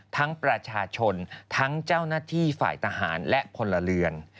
ทั้งประชาชนทั้งเจ้าหน้าที่ฝ่ายทหารและพลเรือน